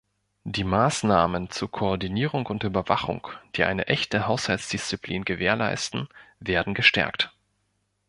Die Maßnahmen zur Koordinierung und Überwachung, die eine echte Haushaltsdisziplin gewährleisten, werden gestärkt.